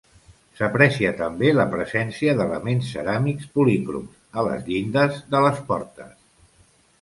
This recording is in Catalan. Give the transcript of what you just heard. S'aprecia també la presència d'elements ceràmics policroms a les llindes de les portes.